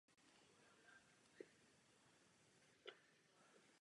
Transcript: Některé z nich jsou silně invazní.